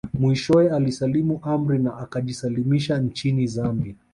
Mwishowe alisalimu amri na akajisalimisha nchini Zambia